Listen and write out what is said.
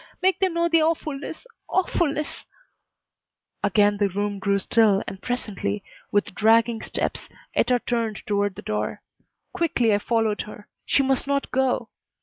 Make them know the awfulness awfulness " Again the room grew still and presently, with dragging steps, Etta turned toward the door. Quickly I followed her. She must not go.